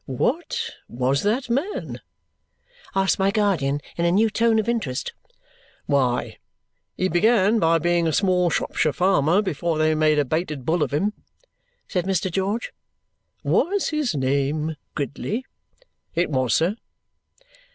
"What was that man?" asked my guardian in a new tone of interest. "Why, he began by being a small Shropshire farmer before they made a baited bull of him," said Mr. George. "Was his name Gridley?" "It was, sir."